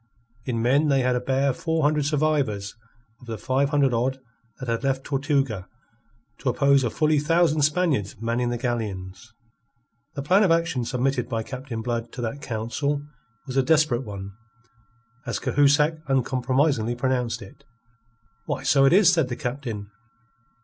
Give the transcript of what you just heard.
In men they had a bare four hundred survivors of the five hundred odd that had left Tortuga, to oppose to fully a thousand Spaniards manning the galleons. The plan of action submitted by Captain Blood to that council was a desperate one, as Cahusac uncompromisingly pronounced it. "Why, so it is," said the Captain.